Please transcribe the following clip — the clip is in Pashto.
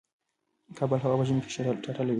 کابل هوا په ژمی کی چټله وی